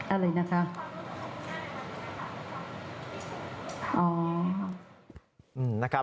อะไรนะคะ